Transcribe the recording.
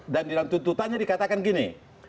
dan di dalam tuntutannya dikatakan begini